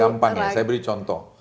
gampang ya saya beri contoh